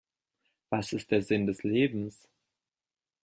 Was ist der Sinn des Lebens?